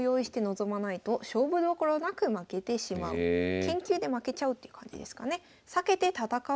研究で負けちゃうっていう感じですかね。